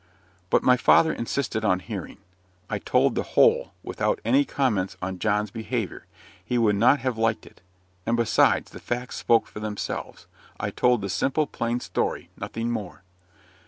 But my father insisted on hearing. I told the whole, without any comments on John's behaviour; he would not have liked it; and, besides, the facts spoke for themselves. I told the simple, plain story nothing more.